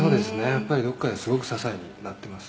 やっぱりどこかですごく支えになっています」